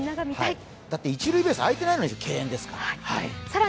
だって一塁ベースあいてないのに敬遠ですから。